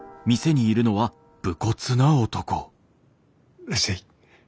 いらっしゃい。